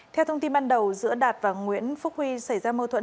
theo thông tin ban đầu giữa đạt và nguyễn phúc huy xảy ra mâu thuẫn